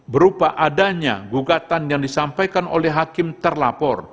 berupa adanya gugatan yang disampaikan oleh hakim terlapor